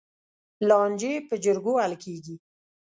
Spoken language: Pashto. لانجې په جرګو حل کېږي.